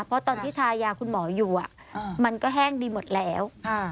เพราะตอนที่ทายาคุณหมออยู่มันก็แห้งดีหมดแล้ว